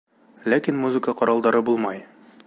Ләкин музыка ҡоралдары булмай.